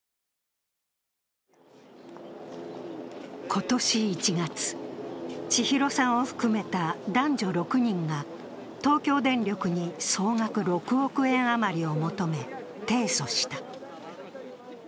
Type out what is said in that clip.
今年１月、千尋さんを含めた男女６人が東京電力に総額６億円あまりを求め提訴した。